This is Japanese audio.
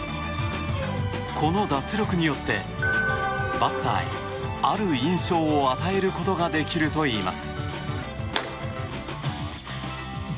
この脱力によって、バッターへある印象を与えることができるといいます。